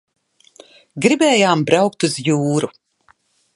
Giribējām braukt uz jūru.